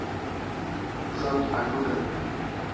Zo't adudan